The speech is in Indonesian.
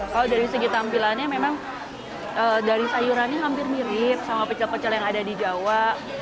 kalau dari segi tampilannya memang dari sayurannya hampir mirip sama pecel pecel yang ada di jawa